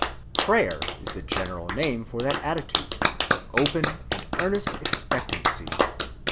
Prayer is the general name for that attitude of open and earnest expectancy.